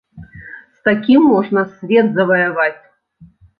З такім можна свет заваяваць.